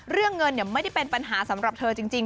เรื่องเงินไม่ได้เป็นปัญหาสำหรับเธอจริง